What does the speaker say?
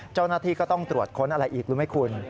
เจ้าหน้าที่ก็ต้องตรวจค้นอะไรอีกรู้ไหมคุณ